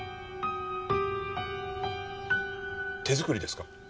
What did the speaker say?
手作りですか？